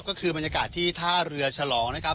ก็คือบรรยากาศที่ท่าเรือฉลองนะครับ